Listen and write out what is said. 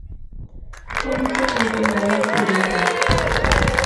Habita en Bengala Occidental.